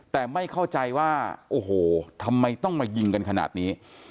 แต่ไม่เข้าใจว่าโอ้โหทำไมต้องมายิงกันขนาดนี้